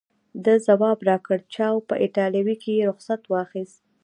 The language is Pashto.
ده ځواب راکړ: چاو، په ایټالوي کې یې رخصت واخیست.